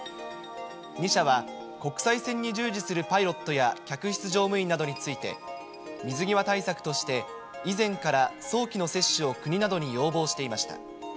２社は国際線に従事するパイロットや客室乗務員などについて、水際対策として、以前から早期の接種を国などに要望していました。